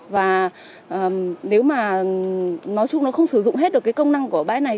và nếu mà nói chung nó không sử dụng hết được cái công năng của bãi này